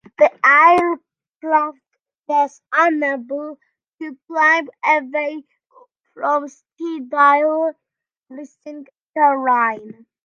The aircraft was unable to climb away from steadily rising terrain.